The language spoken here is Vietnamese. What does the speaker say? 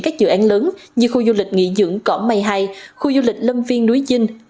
các dự án lớn như khu du lịch nghỉ dưỡng cỏ mây hai khu du lịch lâm viên núi dinh